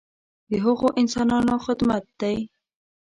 د هغو انسانانو خدمت دی.